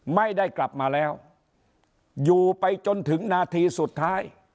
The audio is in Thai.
ไม่ได้กลับมาแล้วอยู่ไปจนถึงนาทีสุดท้าย